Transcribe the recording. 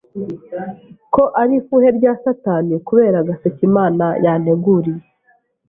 ko ari ifuhe rya satani kubera agaseke Imana yanteguriye.